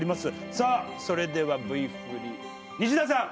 さあそれではＶ振り西田さん！